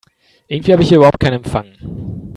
Irgendwie habe ich hier überhaupt keinen Empfang.